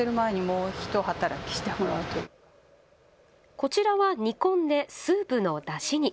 こちらは煮込んでスープのだしに。